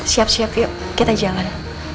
siap siap yuk kita jalan